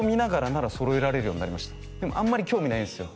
あんまり興味ないんですよ